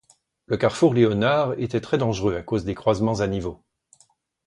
Le carrefour Léonard était très dangereux à cause des croisements à niveau.